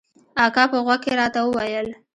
اکا په غوږ کښې راته وويل.